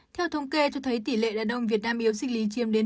theo thông kê cho thấy tỷ lệ đàn ông việt nam yếu sinh lý chiêm đến một mươi năm bảy